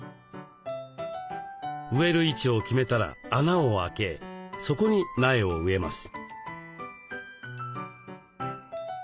植える位置を決めたら穴を開けそこに苗を植えます。